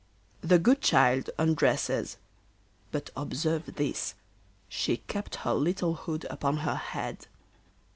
The good child undresses, but observe this! She kept her little hood upon her head.